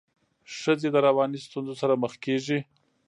ښځي د رواني ستونزو سره مخ کيږي.